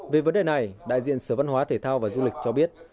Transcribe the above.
về vấn đề này đại diện sở văn hóa thể thao và du lịch cho biết